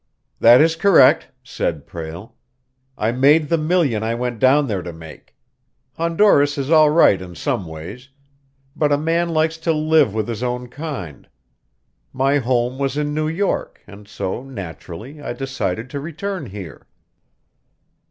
"That is correct," said Prale. "I made the million I went down there to make. Honduras is all right in some ways, but a man likes to live with his own kind. My home was in New York, and so, naturally, I decided to return here."